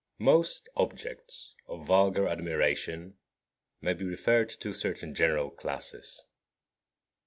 14. Most objects of vulgar admiration may be referred to certain general classes.